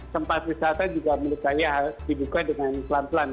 tempat wisata juga menurut saya harus dibuka dengan pelan pelan